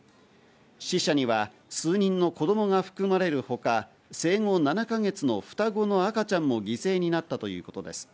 死者には数人の子供が含まれるほか、生後７か月の双子の赤ちゃんも犠牲になったということです。